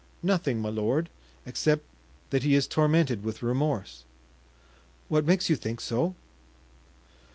"Nothing, my lord, except that he is tormented with remorse." "What makes you think so?"